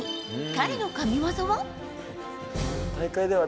彼の神技は。